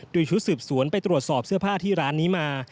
โดยชุดสืบสวนไปตรวจสอบเสื้อผ้าที่ร้านนี้มา